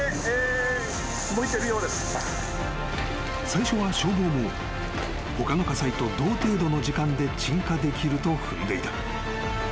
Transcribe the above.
［最初は消防も他の火災と同程度の時間で鎮火できると踏んでいた］